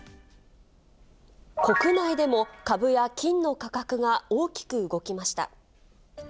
国内でも株や金の価格が大きく動きました。